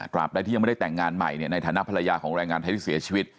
ใดที่ยังไม่ได้แต่งงานใหม่ในฐานะภรรยาของแรงงานไทยที่เสียชีวิต